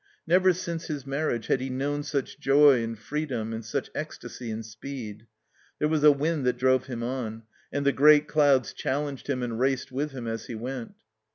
Never since his marriage had he known such joy in freedom and such ecstasy in speed. There was a wind that drove him on, and the great clouds challenged him and raced with him as he went.